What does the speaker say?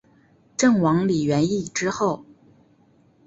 郑王李元懿之后。